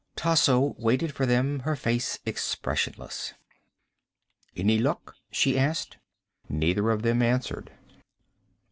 Tasso waited for them, her face expressionless. "Any luck?" she asked. Neither of them answered.